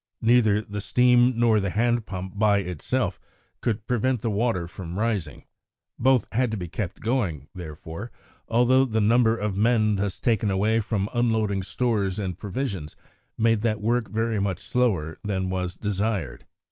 Neither the steam nor the hand pump, by itself, could prevent the water from rising. Both had to be kept going, therefore, although the number of men thus taken away from unloading stores and provisions made that work very much slower than was desired.